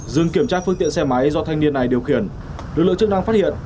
dừng kiểm tra phương tiện xe máy do thanh niên này điều khiển lực lượng chức năng phát hiện